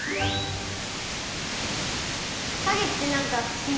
かげってなんかふしぎ。